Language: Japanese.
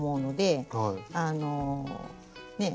あのねえ。